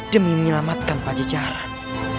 demi menyelamatkan pajajaran